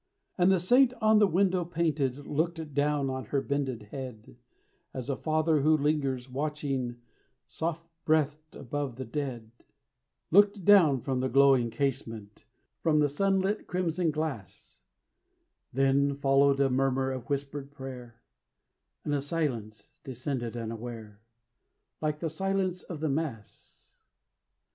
And the saint on the window painted Looked down on her bended head, As a father who lingers watching Soft breathed above the dead Looked down from the glowing casement, From the sun lit crimson glass Then followed a murmur of whispered prayer, And a silence descended unaware, Like the silence of the mass.